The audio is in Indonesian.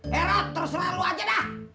herat terserah lo aja dah